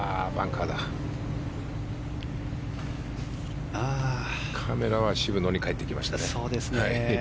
カメラは渋野に帰ってきました。